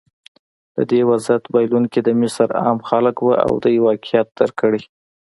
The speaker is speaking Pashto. د دې وضعیت بایلونکي د مصر عام خلک وو او دوی واقعیت درک کړی.